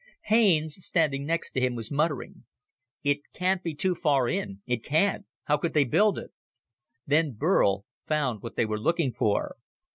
Haines, standing next to him, was muttering, "It can't be too far in, it can't. How could they build it?" Then Burl found what they were looking for.